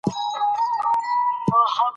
د خطر مدیریت د مالي چارو برخه ده.